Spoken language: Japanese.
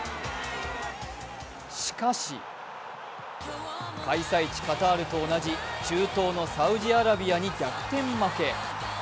しかし、開催地カタールと同じ中東のサウジアラビアに逆転負け。